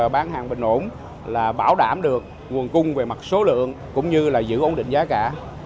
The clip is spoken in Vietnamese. bán hàng bình ổn là bảo đảm được nguồn cung về mặt số lượng cũng như là giữ ổn định giá cả